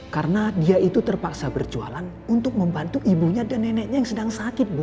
karena dia itu terpaksa berjualan untuk membantu ibunya dan neneknya yang sedang sakit bu